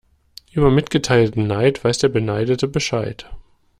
Über mitgeteilten Neid weiß der Beneidete Bescheid.